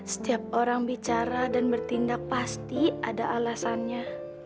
setiap orang bicara dan bertindak pasti ada alasannya